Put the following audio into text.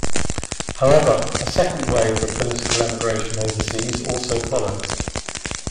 However, a second wave of political emigration overseas also followed.